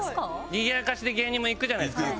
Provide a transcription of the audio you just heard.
にぎやかしで芸人も行くじゃないですか。